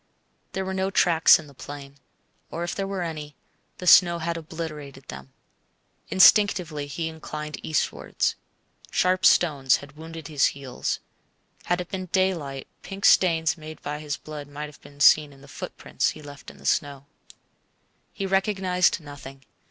There were no tracks in the plain; or if there were any, the snow had obliterated them. Instinctively he inclined eastwards. Sharp stones had wounded his heels. Had it been daylight pink stains made by his blood might have been seen in the footprints he left in the snow. He recognized nothing.